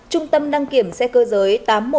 trung tâm đăng kiểm xe cơ giới